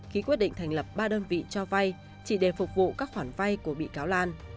ký quyết định thành lập ba đơn vị cho vay chỉ để phục vụ các khoản vay của bị cáo lan